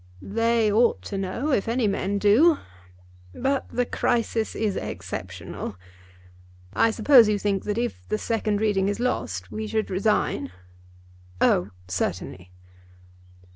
"They ought to know, if any men do; but the crisis is exceptional. I suppose you think that if the second reading is lost we should resign?" "Oh, certainly."